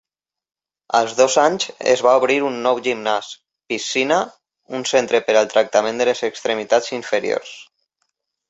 Als dos anys es va obrir un nou gimnàs, piscina un centre per al tractament de les extremitats inferiors.